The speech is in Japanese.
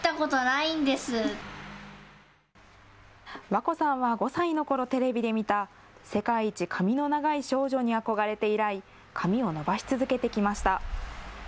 和恋さんは５歳のころテレビで見た世界一髪の長い少女に憧れて以来、髪を伸ばし続けてきました。